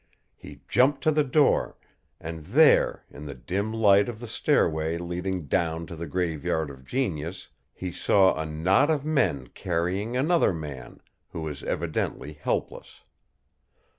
He jumped to the door, and there, in the dim light of the stairway leading down to the Graveyard of Genius, he saw a knot of men carrying another man, who was evidently helpless.